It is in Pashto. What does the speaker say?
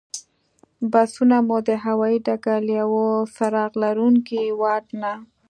بسونه مو د هوایي ډګر له یوه څراغ لرونکي واټ نه.